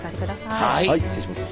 はい失礼します。